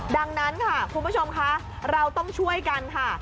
ดังนั้นค่ะคุณผู้ชมค่ะเราต้องช่วยกันค่ะ